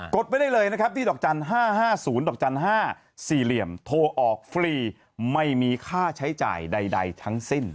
กดไว้ได้เลยนะครับที่ดอกจันทร์๕๕๐๕๔โทรออกฟรีไม่มีค่าใช้จ่ายใดทั้งสิ้น